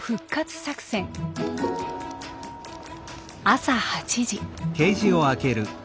朝８時。